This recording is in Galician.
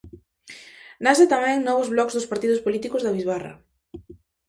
Nace tamén novos blogs dos partidos políticos da bisbarra.